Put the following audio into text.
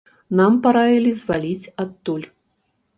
Нам параілі зваліць адтуль.